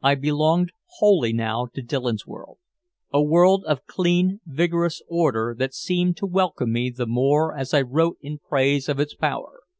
I belonged wholly now to Dillon's world, a world of clean vigorous order that seemed to welcome me the more as I wrote in praise of its power.